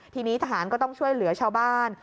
ทีนี้ทหารก็ต้องช่วยเหลือชาวบ้าน